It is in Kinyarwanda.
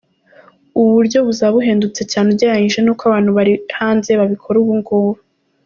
Ubu buryo buzaba buhendutse cyane ugereranyije n'uko abantu bari hanze babikora ubungubu.